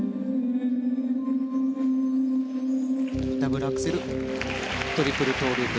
ダブルアクセルトリプルトウループ。